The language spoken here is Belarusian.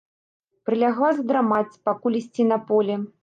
Прылягла задрамаць, пакуль ісці на поле.